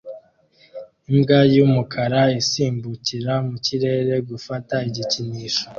Imbwa y'umukara isimbukira mu kirere gufata igikinisho